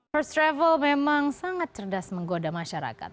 first travel memang sangat cerdas menggoda masyarakat